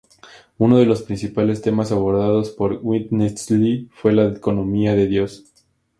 Uno de los principales temas abordados por Witness Lee fue la economía de Dios.